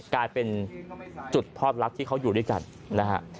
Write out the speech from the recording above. กลายเป็นจุดทอดลักษณ์ที่เขาอยู่ด้วยกันนะฮะ